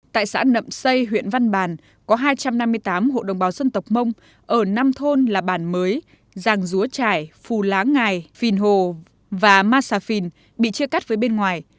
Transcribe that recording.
tại xã nậm xây huyện văn bàn có hai trăm năm mươi tám hộ đồng bào dân tộc mông ở năm thôn là bàn mới giàng dúa trải phù lá ngài phìn hồ và ma xà phìn bị chia cắt với bên ngoài